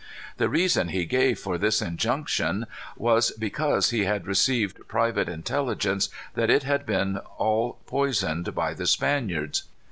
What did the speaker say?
"The reason he gave for this injunction was because he had received private intelligence that it had been all poisoned by the Spaniards.